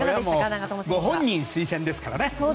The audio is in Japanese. ご本人推薦ですからね。